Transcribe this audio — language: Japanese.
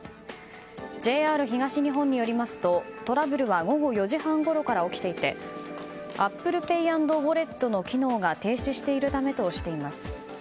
ＪＲ東日本によりますとトラブルは午後４時半ごろから起きていてアップルペイアンドウォレットの機能が停止しているためとしています。